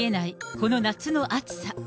この夏の暑さ。